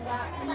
belum set lah